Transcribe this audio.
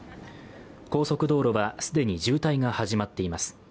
高速道路は既に渋滞が始まっています。